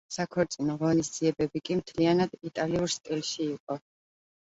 საქორწინო ღონისძიებები კი მთლიანად იტალიურ სტილში იყო.